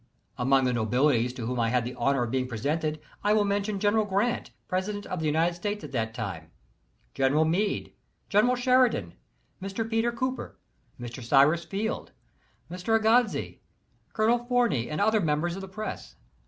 Among the notabilities to whom I had the honor of being presented I will mention General Grant, President of the United States at that time, General Meade, General Sheridan, Mr. Peter Cooper, Mr. Cyrus Field, Mr. Agassiz, Colonel Forney and other members of the press.